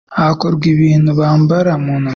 hakorwamo ibintu bambara mu ntoki